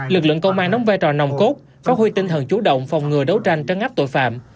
lực lượng công an đóng vai trò nồng cốt phát huy tinh thần chủ động phòng ngừa đấu tranh trấn áp tội phạm